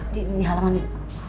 di halaman ini